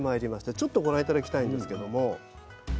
ちょっとご覧頂きたいんですけども。